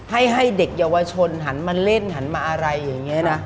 ให้เด็กเยาวชนหันมาเล่นหันมาอะไรอย่างนี้นะ